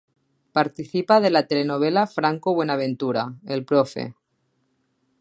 Participa de la telenovela Franco Buenaventura, el profe.